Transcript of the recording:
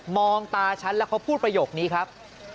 ตาฉันแล้วเขาพูดประโยคนี้ครับ